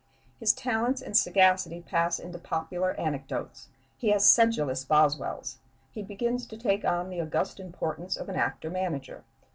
His talents and sagacity pass into popular anecdotes; he has sedulous Boswells; he begins to take on the august importance of an actor manager.